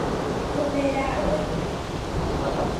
ɨme rauaide.